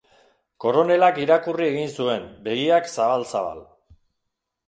Koronelak irakurri egin zuen, begiak zabal-zabal.